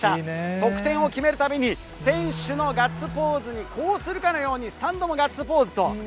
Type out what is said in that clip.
得点を決めるたびに、選手のガッツポーズに呼応するかのように、スタンドもガッツポーズと。